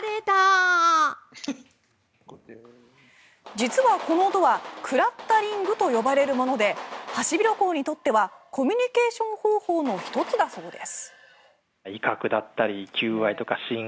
実はこの音はクラッタリングと呼ばれるものでハシビロコウにとってはコミュニケーション方法の１つだそうです。